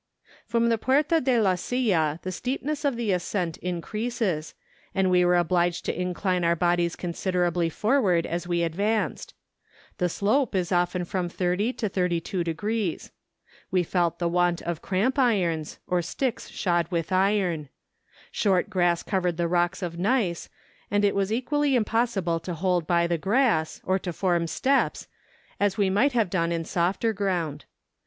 From the Puerta de la Silla the steepness of the ascent increases, and we were obliged to incline our bodies considerably forward as we advanced. The slope is often from 30° to 32°. We felt the waut of cramp irons, or sticks shod with iron. Short grass covered the rocks of gneiss, and it was equally impossible to hold by the grass, or to form steps, as we might have done in softer ground.